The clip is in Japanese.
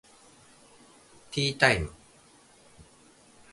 ティータイム